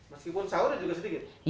meskipun sayurnya juga sedikit